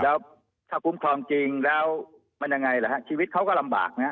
แล้วถ้าคุ้มครองจริงแล้วมันยังไงล่ะฮะชีวิตเขาก็ลำบากนะฮะ